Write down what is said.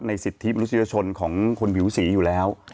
ในสิทธิ์มันรู้สึกเฉยชนของคนผิวสีอยู่แล้ว